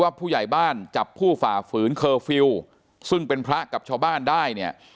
ผู้ใหญ่บ้านจับผู้ฝ่าฝืนเคอร์ฟิลล์ซึ่งเป็นพระกับชาวบ้านได้เนี่ย